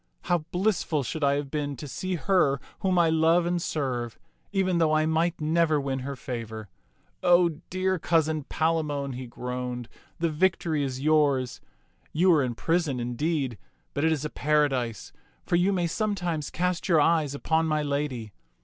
How blissful should I have been to see her whom I love and serve, even though I might never win her favor. O dear cousin Palamon," he groaned, " the vic tory is yours. You are in prison, indeed, but it is a paradise, for you may sometimes cast your eyes upon my lady.